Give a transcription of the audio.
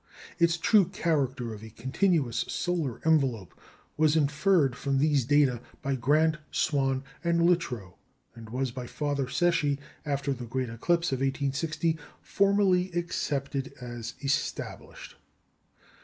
Its true character of a continuous solar envelope was inferred from these data by Grant, Swan, and Littrow, and was by Father Secchi, after the great eclipse of 1860, formally accepted as established.